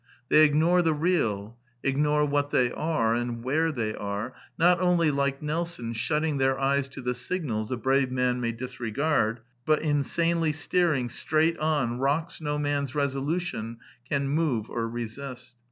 They ignore the real — ignore what they are and where they are, not only, like Nelson, shutting their eyes to the signals a brave man may disre gard, but insanely steering straight on rocks no man's resolution cart move or resist.